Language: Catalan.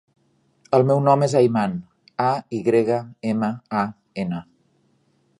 El meu nom és Ayman: a, i grega, ema, a, ena.